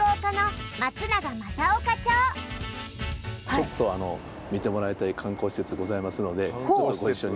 ちょっとあの見てもらいたい観光施設ございますのでどうぞご一緒に。